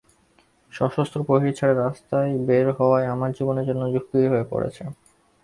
সশস্ত্র প্রহরী ছাড়া রাস্তায় বের হওয়াই আমার জীবনের জন্য ঝুঁকি হয়ে পড়েছে।